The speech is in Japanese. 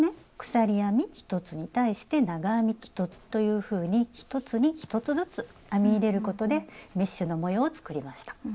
鎖編み１つに対して長編み１つというふうに１つに１つずつ編み入れることでメッシュの模様を作りました。